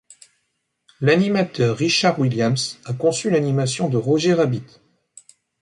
L'animateur Richard Williams a conçu l'animation de Roger Rabbit.